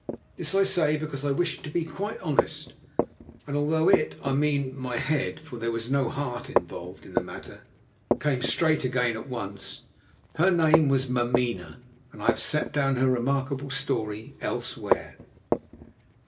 This I say because I wish to be quite honest, although it—I mean my head, for there was no heart involved in the matter—came straight again at once. Her name was Mameena, and I have set down her remarkable story elsewhere.